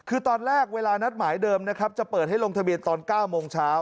คือตอนแรกเวลานัดหมายเดิมนะครับจะเปิดให้ลงทะเบียนตอน๙โมงเช้า